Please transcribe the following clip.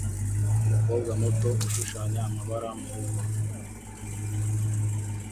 Umukobwa muto ushushanya amabara murugo